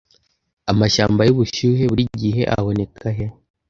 Amashyamba yubushyuhe buri gihe aboneka he